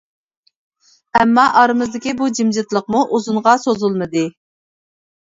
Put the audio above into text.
ئەمما ئارىمىزدىكى بۇ جىمجىتلىقمۇ ئۇزۇنغا سوزۇلمىدى.